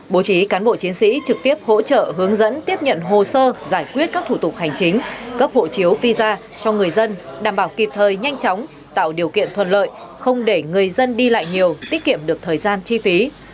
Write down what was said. bố trí cán bộ chiến sĩ trực tiếp hỗ trợ hướng dẫn tiếp nhận hồ sơ giải quyết các thủ tục hành chính cấp hộ chiếu visa cho người dân đảm bảo kịp thời nhanh chóng tạo điều kiện thuận lợi không để người dân đi lại nhiều tiết kiệm được thời gian chi phí